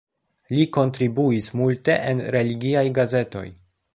Li kontribuis multe en religiaj gazetoj.